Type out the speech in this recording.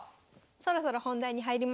そろそろ本題に入りましょう。